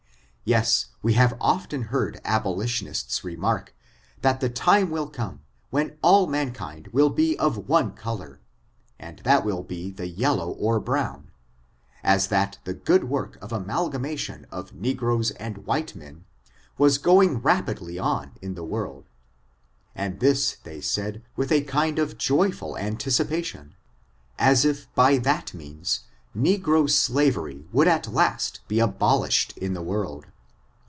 Yes, we have often beard abolitionists remark, that the time will come, when all mankind will be of one color, and that will be the yellow or brown, as that the good work of amal gamation of negroes and white men, was going rap idly on in the world ; and this they said with a kind of joyful anticipation, as if by that means, negro slavery would at last be abolished in the world.